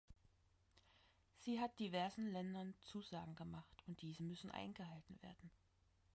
Sie hat diversen Ländern Zusagen gemacht, und diese müssen eingehalten werden.